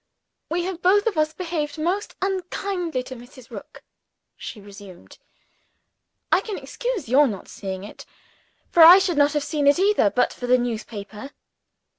"We have both of us behaved most unkindly to Mrs. Rook," she resumed. "I can excuse your not seeing it; for I should not have seen it either, but for the newspaper.